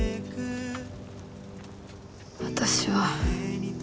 私は。